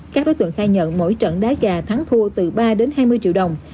các đối tượng khai nhận mỗi trận đá gà thắng thua từ ba đến hai mươi triệu đồng